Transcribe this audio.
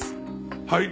はい。